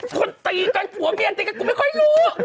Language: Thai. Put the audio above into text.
คนตีกันผัวเมียตีกันกูไม่ค่อยรู้